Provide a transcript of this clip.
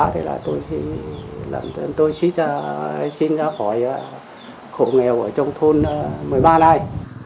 thế là tôi xin ra khỏi khổ nghèo ở trong thôn một mươi ba này